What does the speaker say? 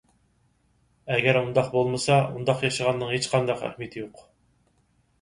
ئەگەر ئۇنداق بولمىسا، ئۇنداق ياشىغاننىڭ ھېچقانداق ئەھمىيىتى يوق.